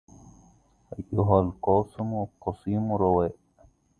أيها القاسم القسيم رواء